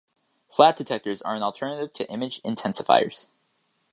Flat Detectors are an alternative to Image Intensifiers.